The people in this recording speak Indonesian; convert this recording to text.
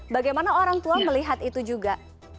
bagaimana orang tua melihat itu juga